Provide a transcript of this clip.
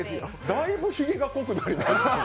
だいぶひげが濃くなりましたね。